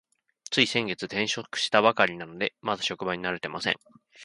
つい先月、転職をしたばかりなので、まだ職場に慣れていません。